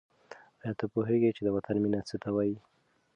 آیا ته پوهېږې چې د وطن مینه څه ته وايي؟